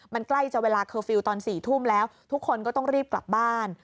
มันใกล้จะเวลาเคอร์ฟิลล์ตอน๔ทุ่มแล้วทุกคนก็ต้องรีบกลับบ้าน